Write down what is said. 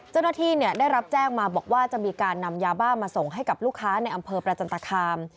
เจ้าหน้าที่ได้รับแจ้งมาบอกว่าจะมีการนำยาบ้ามาส่งให้กับลูกค้าในอำเภอประจันตคาม